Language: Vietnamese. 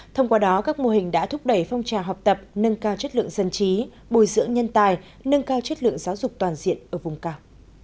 thông qua đó các mô hình đã thúc đẩy phong trào học tập nâng cao chất lượng dân trí bồi dưỡng nhân tài nâng cao chất lượng giáo dục toàn diện ở vùng cao